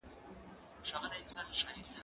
زه به اوږده موده شګه پاکه کړې وم؟!